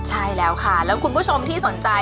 ใช่แล้วค่ะแล้วคุณผู้ชมที่สนใจ